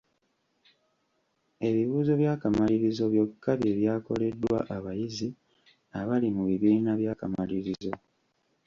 Ebibuuzo by'akamalirizo byokka bye byakoleddwa abayizi abali mu bibiina by'akamalirizo.